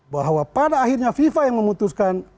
bahwa pada akhirnya fifa yang memutuskan